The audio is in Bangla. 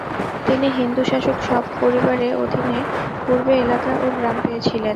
তিনি হিন্দু শাসক পরিবারের অধীনে পূর্বে এলাকা ও গ্রাম পেয়েছিলেন।